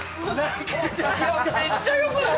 めっちゃよくない？